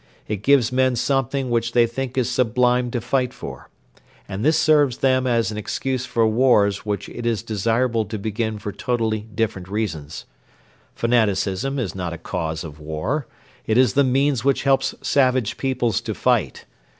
It gives men something which they think is sublime to fight for, and this serves them as an excuse for wars which it is desirable to begin for totally different reasons. Fanaticism is not a cause of war. It is the means which helps savage peoples to fight.